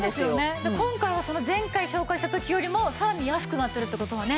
で今回はその前回紹介した時よりもさらに安くなってるって事はね。